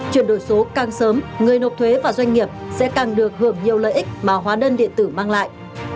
chuyển đổi số càng sớm người nộp thuế và doanh nghiệp sẽ càng được hưởng nhiều lợi ích mà hóa đơn điện tử mang lại